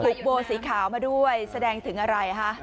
โบสีขาวมาด้วยแสดงถึงอะไรฮะ